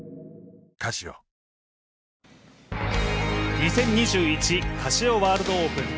２０２１カシオワールドオープン。